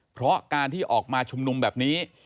เพราะการที่ออกมาชุมนุมแบบนี้